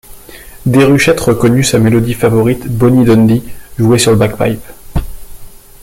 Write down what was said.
Déruchette reconnut sa mélodie favorite Bonny Dundee jouée sur le bag-pipe.